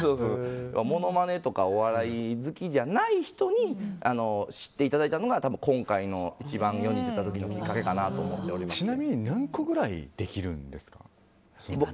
ものまねとかお笑い好きじゃない人に知っていただいたのが今回の一番世に出たちなみに何個ぐらいできるんですか？